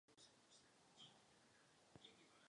Po válce byly uzavřeny.